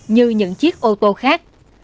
như những chiếc ô tô khác